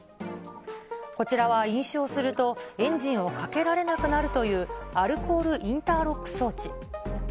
こちらは飲酒をすると、エンジンをかけられなくなるというアルコールインターロック装置。